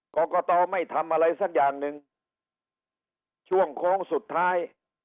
กรกตไม่ทำอะไรสักอย่างหนึ่งช่วงโค้งสุดท้าย